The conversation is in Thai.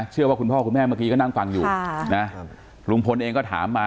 เชื่อว่าคุณพ่อคุณแม่เมื่อกี้ก็นั่งฟังอยู่ค่ะนะครับลุงพลเองก็ถามมา